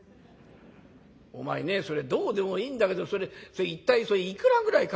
お前ねそれどうでもいいんだけど一体それいくらぐらいかかる？」。